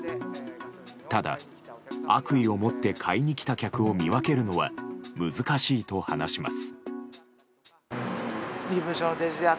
ただ、悪意を持って買いに来た客を見分けるのは難しいと話します。